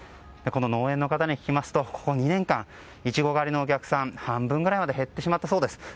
農園の方に聞きますとここ２年間イチゴ狩りのお客さん半分まで減ってしまったそうです。